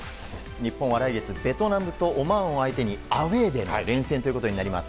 日本は来月ベトナムとオマーンとアウェーでの試合となります。